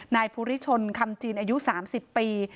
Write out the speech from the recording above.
นายภูริชนคำจีนอายุ๓๐ปี